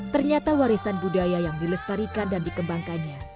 ternyata warisan budaya yang dilestarikan dan dikembangkannya